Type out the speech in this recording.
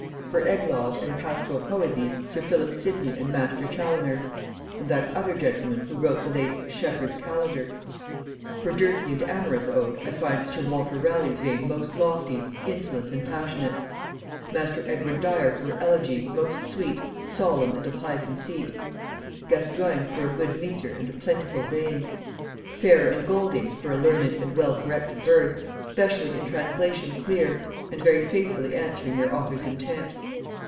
For eglogue and pastoral poesy, sir Philip Sidney and master Chaloner, and that other gentleman who wrate the late 'Shepherd's Calendar'. For dirty and amorous ode I find sir Walter Raleigh's vein most lofty, insolent and passionate. Master Edward Dyer for elegy, most sweet, solemn and of high conceit. Gascoigne for a good metre and for a plentiful vein. Phaer and Golding for a learned and well corrected verse, specially in translation clear and very faithfully answering their author's intent.